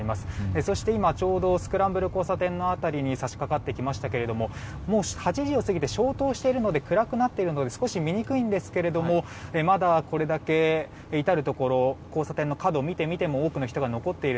そして、今ちょうどスクランブル交差点の辺りに差し掛かりましたが８時を過ぎて消灯しているので少し見にくいですがまだこれだけ至るところ交差点のところを見ても人が多く残っている。